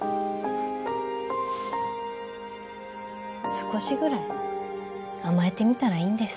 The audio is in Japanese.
少しぐらい甘えてみたらいいんです